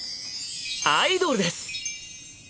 アイドルです！